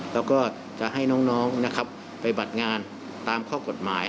แล้วก็จะให้น้องนะครับไปบัดงานตามข้อกฎหมาย